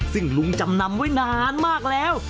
ซึ่งลุงจำนำไว้นานมากแล้ว